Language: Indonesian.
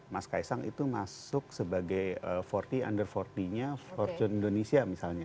mas kaisang itu masuk sebagai empat puluh under empat puluh nya fortune indonesia misalnya